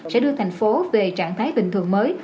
sẽ đưa thành phố về trạng thái bình thường mới